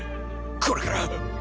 これから。